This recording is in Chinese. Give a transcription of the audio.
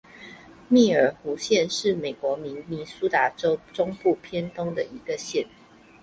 密尔湖县是美国明尼苏达州中部偏东的一个县。